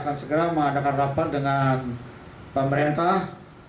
akan segera mengadakan rapat dengan pemerintah